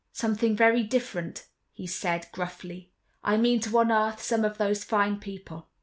"Something very different," he said, gruffly. "I mean to unearth some of those fine people.